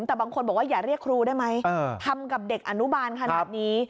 แต่บางคนบอกว่าอย่าเรียกครูได้ไหมทำกับเด็กอนุบาลขนาดนี้